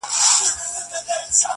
چي یې قبر د بابا ورته پېغور سو؛